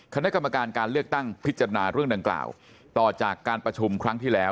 คณะกรรมการการเลือกตั้งพิจารณาเรื่องดังกล่าวต่อจากการประชุมครั้งที่แล้ว